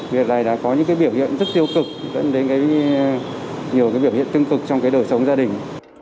việc này đã có những cái biểu hiện rất tiêu cực dẫn đến cái nhiều cái biểu hiện tương cực trong cái đời sống gia đình